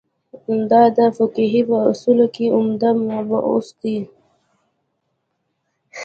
دا د فقهې په اصولو کې عمده مباحثو ده.